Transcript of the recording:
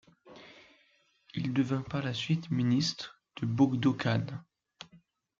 Il devient par la suite ministre de Bogdo Khan.